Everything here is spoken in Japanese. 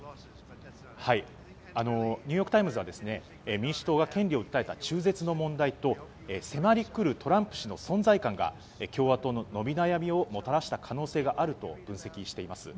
ニューヨーク・タイムズは民主党が権利を訴えた中絶の問題と迫りくるトランプ氏の存在感が共和党の伸び悩みをもたらした可能性があると分析しています。